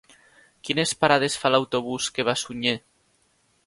Quines parades fa l'autobús que va a Sunyer?